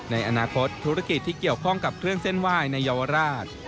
ในอนาคตธุรกิจที่เกี่ยวข้องกับเครื่องเส้นไหว้ในเยาวราช